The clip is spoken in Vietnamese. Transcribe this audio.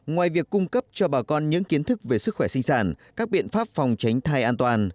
ngoài việc cung cấp cho bà con những kiến thức về sức khỏe sinh sản các biện pháp phòng tránh thai an toàn